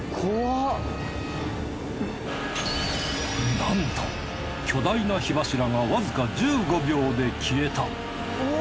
なんと巨大な火柱がわずか１５秒で消えたうわ